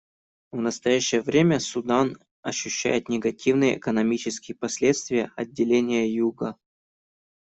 В настоящее время Судан ощущает негативные экономические последствия отделения Юга.